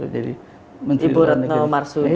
jadi menteri luar negeri